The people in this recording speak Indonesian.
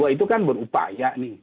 itu kan berupaya